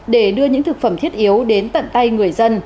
để đưa những thực phẩm thiết yếu đến tận tay người dân